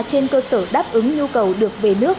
trên cơ sở đáp ứng nhu cầu được về nước